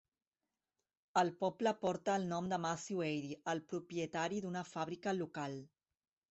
El poble porta el nom de Matthew Addy, el propietari d'una fàbrica local.